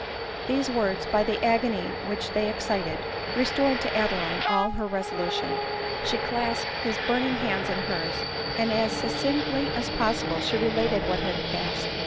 These words, by the agony which they excited, re stored to Adeline all her resolution. She ran to Glen murray ; she clasped his burning hands in hers ; «nd as succinctly as possible she related what had passed.